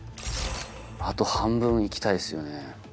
あと半分行きたいですよね。